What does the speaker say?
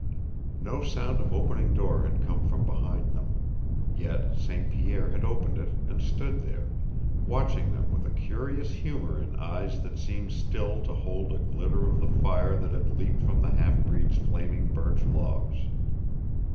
No sound of opening door had come from behind them. Yet St. Pierre had opened it and stood there, watching them with a curious humor in eyes that seemed still to hold a glitter of the fire that had leaped from the half breed's flaming birch logs.